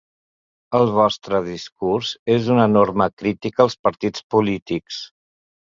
El vostre discurs és una enorme crítica als partits polítics.